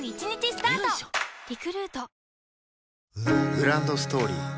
グランドストーリー